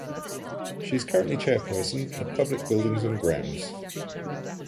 She is currently chairperson of Public Buildings and Grounds.